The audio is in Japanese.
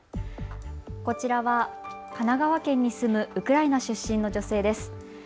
こちらは神奈川県に住むウクライナ出身の女性です。